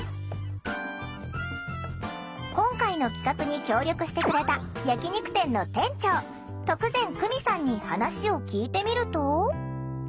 今回の企画に協力してくれた焼き肉店の店長徳善久美さんに話を聞いてみると。